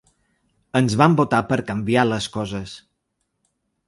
Ens van votar per canviar les coses.